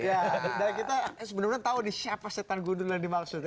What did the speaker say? dan kita sebenarnya tahu siapa setan gundul yang dimaksud ya